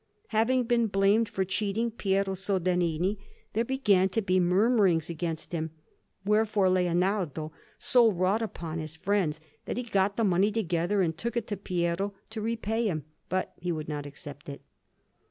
Having been blamed for cheating Piero Soderini, there began to be murmurings against him; wherefore Leonardo so wrought upon his friends, that he got the money together and took it to Piero to repay him; but he would not accept it.